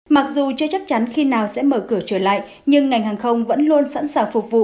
mặc dù chưa chắc chắn khi nào sẽ mở cửa trở lại nhưng ngành hàng không vẫn luôn sẵn sàng phục vụ